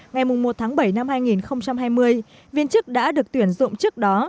ngày một tháng bảy năm hai nghìn hai mươi viên chức đã được tuyển dụng trước đó